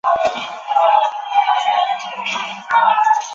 母亲是日本人。